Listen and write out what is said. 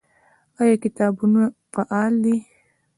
آیا کتابتونونه فعال دي؟